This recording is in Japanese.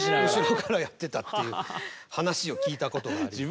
そこからやってたっていう話を聞いたことがあります。